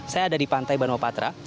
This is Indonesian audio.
saya ada di pantai banopatra